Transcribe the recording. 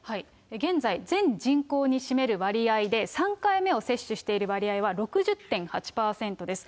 現在、全人口に占める割合で、３回目を接種している割合は６０．８％です。